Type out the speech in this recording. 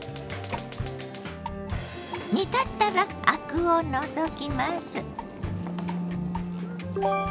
煮立ったらアクを除きます。